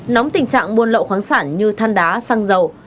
nóng tình trạng buôn lậu khoáng sản như than đá xăng dầu